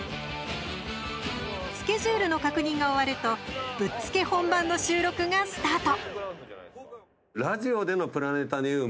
スケジュールの確認が終わるとぶっつけ本番の収録がスタート。